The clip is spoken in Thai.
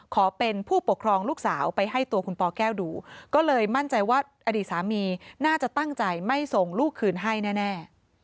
ขอเป็นผู้ปกครองลูกสาวไปให้ตัวคุณปแก้วดูก็เลยมั่นใจว่าอดีตสามีน่าจะตั้งใจไม่ส่งลูกคืนให้แน่